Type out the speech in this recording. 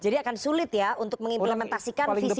jadi akan sulit ya untuk mengimplementasikan visi visinya tadi